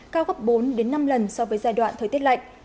cao gấp bốn năm lần so với giai đoạn thời tiết lạnh